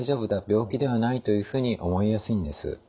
「病気ではない」というふうに思いやすいんです。